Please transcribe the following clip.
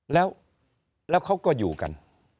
แล้วเขาก็อยู่กัน